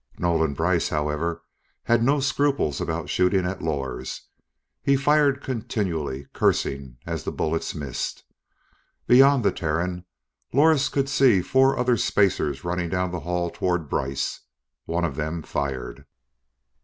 Nolan Brice, however, had no scruples about shooting at Lors. He fired continually, cursing as the bullets missed. Beyond the Terran, Lors could see four other spacers running down the hall toward Brice. One of them fired.